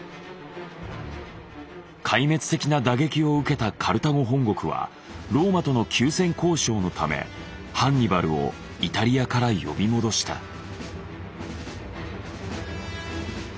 壊滅的な打撃を受けたカルタゴ本国はローマとの休戦交渉のためハンニバルをイタリアから呼び戻した。